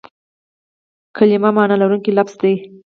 کلیمه مانا لرونکی لفظ دئ.